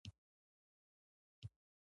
د هغوی جونګړه د ږلۍ وریدېنې له امله ونړېده